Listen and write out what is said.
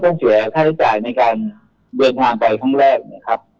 เขาต้องเกรงแค่จ่ายในการยังทางไปขังแรกเนอะครับ